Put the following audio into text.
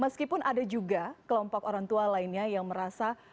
meskipun ada juga kelompok orang tua lainnya yang merasa